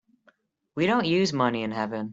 We don't use money in heaven.